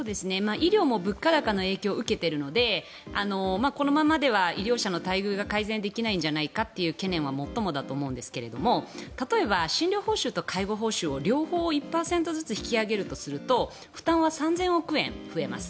医療も物価高の影響を受けているのでこのままでは医療者の待遇が改善できないんじゃないかという懸念はもっともだと思うんですが例えば診療報酬と介護報酬を両方１％ずつ引き上げるとすると負担は３０００億円増えます。